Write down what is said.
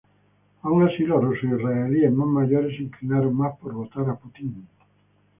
Aun así los ruso-israelíes más mayores se inclinaron más por votar a Putin.